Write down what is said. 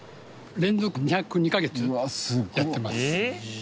連続２０２カ月やってます。